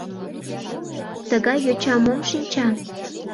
Тыгай йоча мом шинча?